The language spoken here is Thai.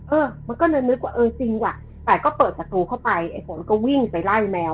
เออมันก็เลยนึกว่าเออจริงว่ะแต่ก็เปิดประตูเข้าไปไอ้ฝนก็วิ่งไปไล่แมว